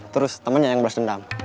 terus temennya yang beras dendam